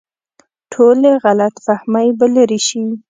ټولې غلط فهمۍ به لرې شي.